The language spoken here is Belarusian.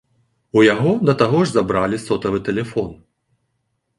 У яго да таго ж забралі сотавы тэлефон.